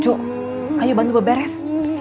cuk ayo bantu berberes